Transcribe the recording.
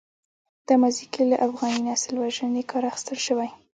دا ماضي کې له افغاني نسل وژنې کار اخیستل شوی.